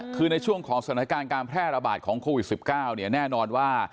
คือในช่วงของสถานการณ์การแพร่ระบาดของโควิด๑๙เนี่ยแน่นอนว่า